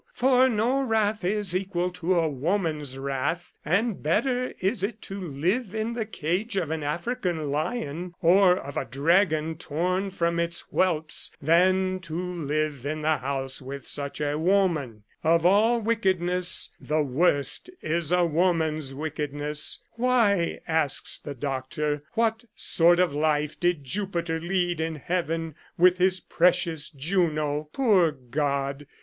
For no wrath is equal to a woman's wrath ; and better is it to live in the cage of an African lion, or of a dragon torn from its whelps, than to live in the house with such a woman. Of all wickedness the 132 I " Flagellum Salutis " worst is woman's wickedness. Why, asks the doctor, what sort of a life did Jupiter lead in heaven with his precious Juno ? Poor god